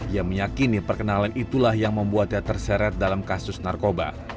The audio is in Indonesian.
ia meyakini perkenalan itulah yang membuatnya terseret dalam kasus narkoba